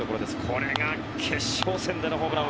これが決勝戦でのホームラン。